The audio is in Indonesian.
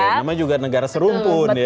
namanya juga negara serumpun